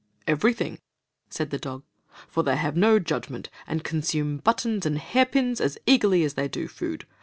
"Everything," said the dog; "for they have no judgment,' and consume buttons and hairpins as eagerly as they do food.